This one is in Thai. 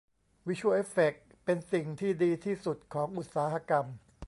วิชวล เอฟเฟคเป็นสิ่งที่ดีที่สุดของอุตสาหกรรม